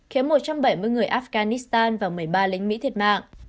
khiến một trăm bảy mươi người afghanistan và một mươi ba lính mỹ thiệt mạng